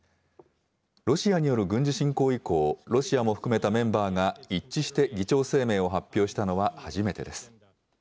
ロシアによる軍事侵攻以降、ロシアも含めたメンバーが一致して議長声明を発表したのは初めてです。